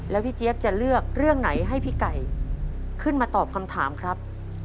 แล้วพี่เจี๊ยบจะเลือกเรื่องไหนให้พี่ไก่ขึ้นมาตอบคำถามครับ